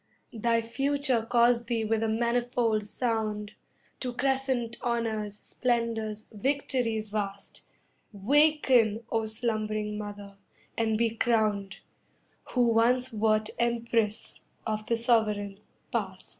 Thy Future calls thee with a manifold sound To crescent honours, splendours, victories vast; Waken, O slumbering Mother and be crowned, Who once wert empress of the sovereign Past.